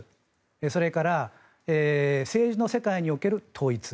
それから政治の世界における統一。